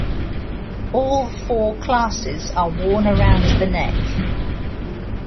All four classes are worn around the neck.